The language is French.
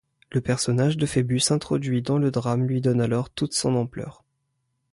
Le personnage de Phœbus introduit dans le drame lui donne alors toute son ampleur.